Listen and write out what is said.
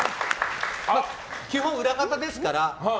基本、裏方ですから。